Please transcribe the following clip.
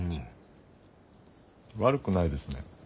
悪くないですね。